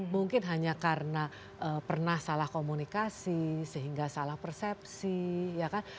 mungkin hanya karena pernah salah komunikasi sehingga salah persepsi ya kan